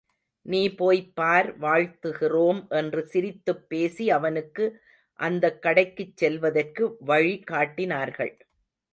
நீ போய்ப்பார் வாழ்த்துகிறோம் என்று சிரித்துப் பேசி அவனுக்கு அந்தக் கடைக்குச் செல்வதற்கு வழி காட்டினார்கள்.